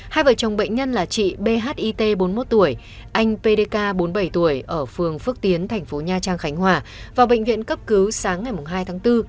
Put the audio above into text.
hai vợ chồng bệnh nhân là chị bhit bốn mươi một tuổi anh pdk bốn mươi bảy tuổi ở phường phước tiến thành phố nha trang khánh hòa vào bệnh viện cấp cứu sáng ngày hai tháng bốn